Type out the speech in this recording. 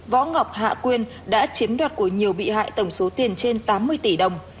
võ ngọc hạ quyên đã chiếm đoạt của nhiều bị hại tổng số tiền trên tám mươi tỷ đồng